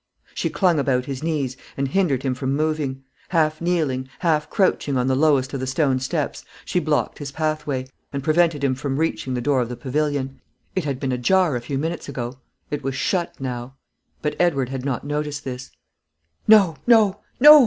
She clung about his knees, and hindered him from moving; half kneeling, half crouching on the lowest of the stone steps, she blocked his pathway, and prevented him from reaching the door of the pavilion. It had been ajar a few minutes ago; it was shut now. But Edward had not noticed this. "No, no, no!"